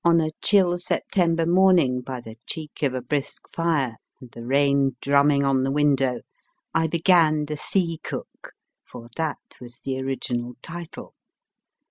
On a chill September morning, by the cheek of a brisk fire, and the rain drumming on the window, I began The Sea Cook, for that was the original title.